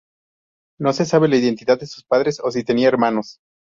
No se sabe la identidad de sus padres o si tenía hermanos.